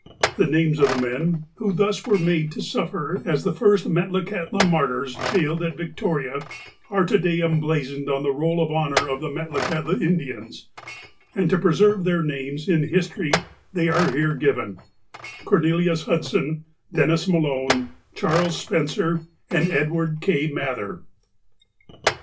The names of the men, who thus were made to suffer as the first Metlakahtla martyrs jailed at Victoria, are to day emblazoned on the roll of honour of the Metlakahtla Indians, and to preserve their names in history they are here given : Cornelius Hudson, Dennis Maloue, Charles Spencer, and Edward K. Mather.